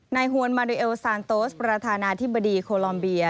ฮวนมาริเอลซานโตสประธานาธิบดีโคลอมเบีย